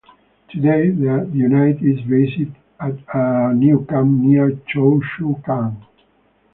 Today, the unit is based at a new camp near Choa Chu Kang.